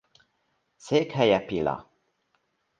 Székhelye Pila.